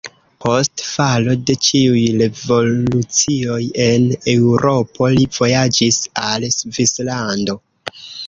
Post falo de ĉiuj revolucioj en Eŭropo li vojaĝis al Svislando.